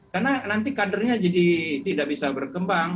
karena nanti kadernya jadi tidak bisa berkembang